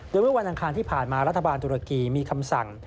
โดยเมื่อวันอังคารที่ผ่านมารัฐบาลตุรกีมีคำสั่ง